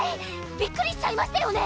びっくりしちゃいましたよね